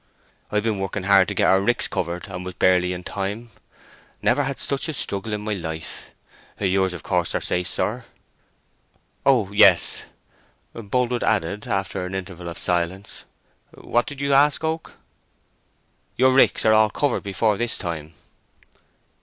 "I've been working hard to get our ricks covered, and was barely in time. Never had such a struggle in my life.... Yours of course are safe, sir." "Oh yes," Boldwood added, after an interval of silence: "What did you ask, Oak?" "Your ricks are all covered before this time?"